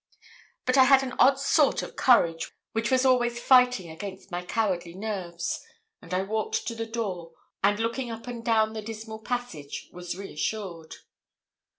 But I had an odd sort of courage which was always fighting against my cowardly nerves, and I walked to the door, and looking up and down the dismal passage, was reassured.